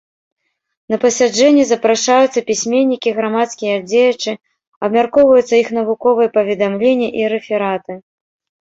На пасяджэнні запрашаюцца пісьменнікі, грамадскія дзеячы, абмяркоўваюцца іх навуковыя паведамленні і рэфераты.